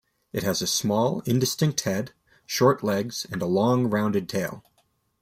It has a small, indistinct head, short legs, and a long, rounded tail.